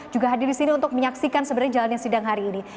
juga hadir di sini untuk menyaksikan sebenarnya jalannya sidang hari ini